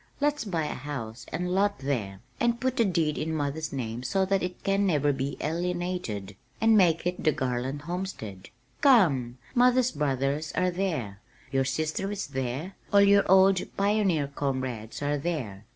Let's buy a house and lot there and put the deed in mother's name so that it can never be alienated, and make it the Garland Homestead. Come! Mother's brothers are there, your sister is there, all your old pioneer comrades are there.